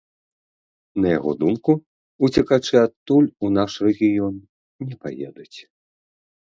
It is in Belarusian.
На яго думку, уцекачы адтуль у наш рэгіён не паедуць.